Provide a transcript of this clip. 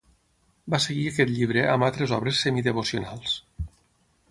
Va seguir aquest llibre amb altres obres semidevocionals.